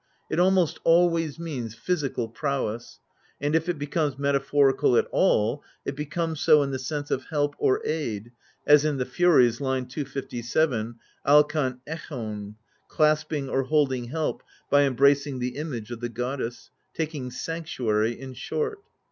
It almost always means physical prowess ; and if it becomes metaphorical at all, it becomes so in the sense of help or aid (as in TAe Furies^ /. 257, oAicav Ixwv = clasping or holding help, by embracing the image of the goddess : taking sanctuary, in short).